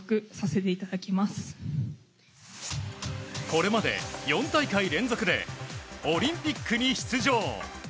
これまで４大会連続でオリンピックに出場。